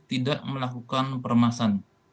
tidak melakukan peremasan